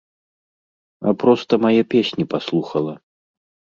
А проста мае песні паслухала!